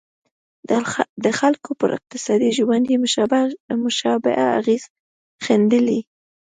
د خلکو پر اقتصادي ژوند یې مشابه اغېزې ښندلې.